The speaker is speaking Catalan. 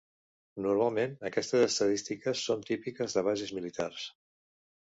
Normalment aquestes estadístiques són típiques de bases militars.